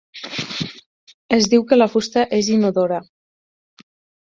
Es diu que la fusta és inodora.